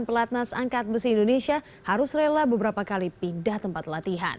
pelatnas angkat besi indonesia harus rela beberapa kali pindah tempat latihan